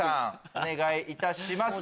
お願いいたします。